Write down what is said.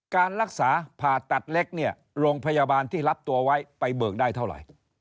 การรักษาผ่าตัดเล็กเนี่ยโรงพยาบาลที่รับตัวไว้ไปเบิกได้เท่าไหร่